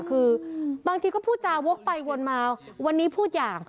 คือบางทีก็พูดจาวกไปวนมาวันนี้พูดอย่าง